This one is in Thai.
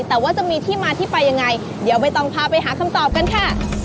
แต่ว่าจะมีที่มาที่ไปยังไงเดี๋ยวใบตองพาไปหาคำตอบกันค่ะ